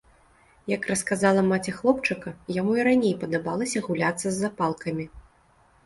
Як расказала маці хлопчыка, яму і раней падабалася гуляцца з запалкамі.